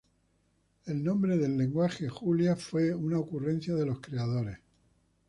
El nombre del lenguaje Julia fue una ocurrencia de los creadores.